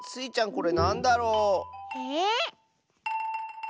これなんだろう？えっ？